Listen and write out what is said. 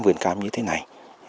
vườn cám như thế này